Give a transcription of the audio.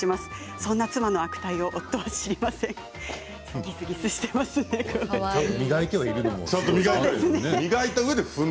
そんな妻の悪態を夫は知りません。